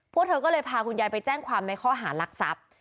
พวกเธอก็เลยพาคุณยายไปแจ้งความในข้อหารักทรัพย์